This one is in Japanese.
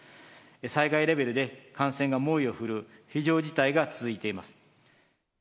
災害レベルで感染が猛威を振るう、非常事態が続いています。